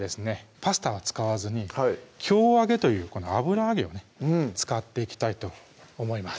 パスタは使わずに京揚げというこの油揚げをね使っていきたいと思います